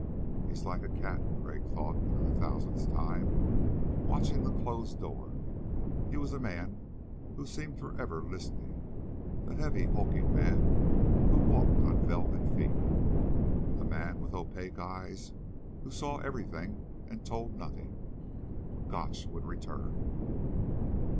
He's like a cat, Crag thought for the thousandth time, watching the closed door. He was a man who seemed forever listening; a heavy hulking man who walked on velvet feet; a man with opaque eyes who saw everything and told nothing. Gotch would return.